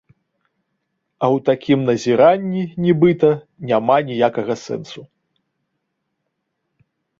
А ў такім назіранні, нібыта, няма ніякага сэнсу.